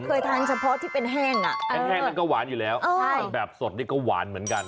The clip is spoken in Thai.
เคยทานเฉพาะที่เป็นแห้งอ่ะแห้งนั้นก็หวานอยู่แล้วแต่แบบสดนี่ก็หวานเหมือนกัน